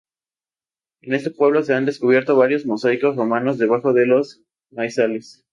En este pueblo se han descubierto varios mosaicos romanos debajo de los maizales.